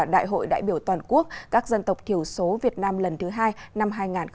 đại hội đại biểu toàn quốc các dân tộc thiểu số việt nam lần thứ hai năm hai nghìn hai mươi